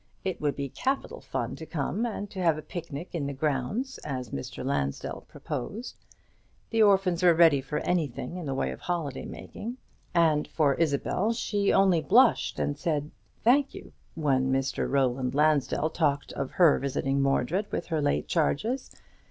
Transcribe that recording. It would be capital fun to come, and to have a picnic in the grounds, as Mr. Lansdell proposed. The orphans were ready for anything in the way of holiday making. And for Isabel, she only blushed, and said, "Thank you," when Roland Lansdell talked of her visiting Mordred with her late charges.